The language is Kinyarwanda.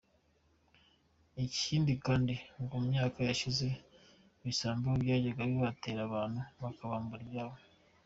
Ikindi kandi ngo mu myaka yashize, ibisambo byajyaga bihategera abantu bikabambura ibyabo.